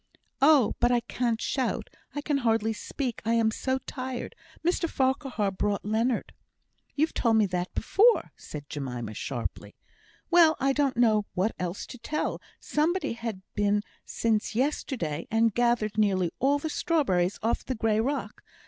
"Oh! but I can't shout; I can hardly speak I am so tired. Mr Farquhar brought Leonard " "You've told me that before," said Jemima, sharply. "Well! I don't know what else to tell. Somebody had been since yesterday, and gathered nearly all the strawberries off the grey rock.